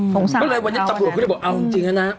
สงสัยก็เลยวันนี้ตำรวจก็เลยบอกเอาจริงนะนะ